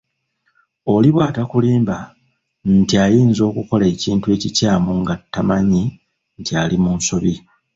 Oli bw’atakulimba nti ayinza okukola ekintu ekikyamu nga tamanyi nti ali mu nsobi.